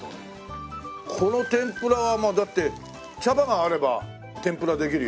この天ぷらはだって茶葉があれば天ぷらできるよね。